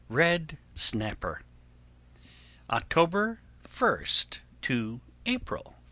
Red Snapper October 1 to April 1.